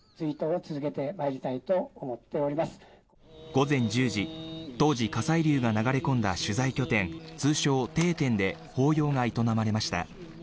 午前１０時、当時火砕流が流れ込んだ取材拠点通称・定点で法要が営まれました。